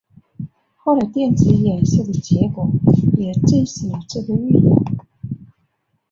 后来电子衍射的结果也证实了这个预言。